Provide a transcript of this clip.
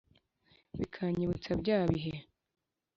mu iyigandimi umunyeshuri asobanukirwa imiterere y’ururimi rwe